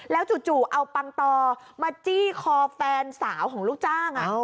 จู่เอาปังตอมาจี้คอแฟนสาวของลูกจ้าง